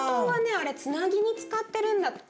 あれつなぎに使ってるんだって。